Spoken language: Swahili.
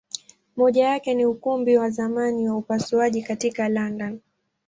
Moja yake ni Ukumbi wa zamani wa upasuaji katika London.